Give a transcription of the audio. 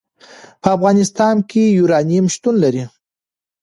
په افغانستان کې یورانیم شتون لري.